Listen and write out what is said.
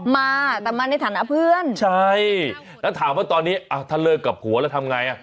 มาแต่มาในฐานะเพื่อนใช่แล้วถามว่าตอนนี้ถ้าเลิกกับผัวแล้วทำไงอ่ะ